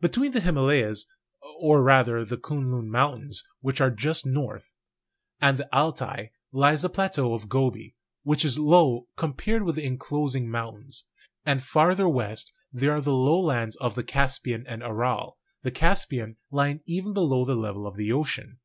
Between the Llimalayas (or rather the Kuen Lun Mountains, which are just north) and the Altai, lies the plateau of Gobi, which is low com pared with the inclosing mountains ; and farther west there are the lowlands of the Caspian and Aral, the Caspian lying even below the level of the ocean.